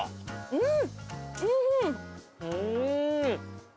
うん！